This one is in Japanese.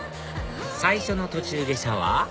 最初の途中下車は？